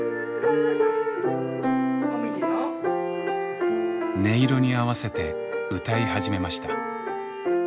音色に合わせて歌い始めました。